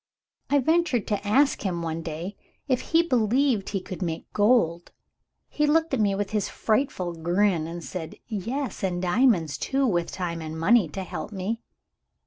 "I ventured to ask him, one day, if he believed he could make gold. He looked at me with his frightful grin, and said, "Yes, and diamonds too, with time and money to help me."